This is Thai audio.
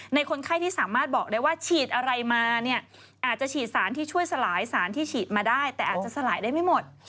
คนไข้ที่สามารถบอกได้ว่าฉีดอะไรมาเนี่ยอาจจะฉีดสารที่ช่วยสลายสารที่ฉีดมาได้แต่อาจจะสลายได้ไม่หมด